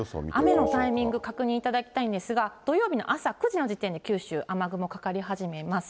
雨のタイミング、確認いただきたいんですが、土曜日の朝９時の時点で九州、雨雲かかり始めます。